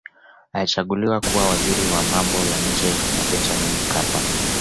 alichaguliwa kuwa waziri wa mambo ya nje na benjamini mkapa